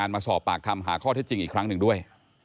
มาสอบปากคำหาข้อเท็จจริงอีกครั้งหนึ่งด้วย